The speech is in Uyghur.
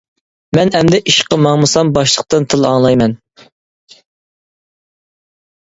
مەن ئەمدى ئىشقا ماڭمىسام باشلىقتىن تىل ئاڭلايمەن.